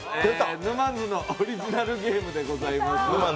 ぬまんづのオリジナルゲームでございます。